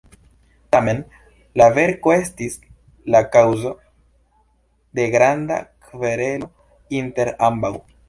Tamen la verko estis la kaŭzo de granda kverelo inter ambaŭ.